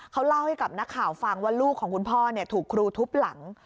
เขาเล่าให้กับนักข่าวฟังว่าลูกของคุณพ่อถูกครูทุบหลัง